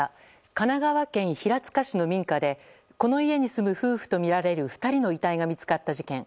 神奈川県平塚市の民家でこの家に住む夫婦とみられる２人の遺体が見つかった事件。